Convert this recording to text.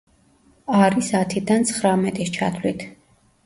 არის ათიდან ცხრამეტის ჩათვლით.